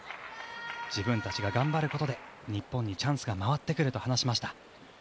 自分たちが頑張ることで日本にチャンスが回ってくると話しました。